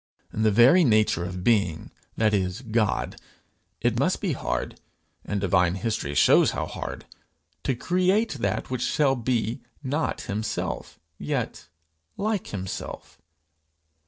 In the very nature of being that is, God it must be hard and divine history shows how hard to create that which shall be not himself, yet like himself.